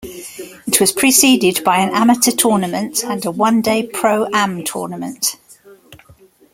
It was preceded by an amateur tournament and a one-day pro-am tournament.